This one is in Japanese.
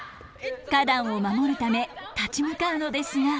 花壇を守るため立ち向かうのですが。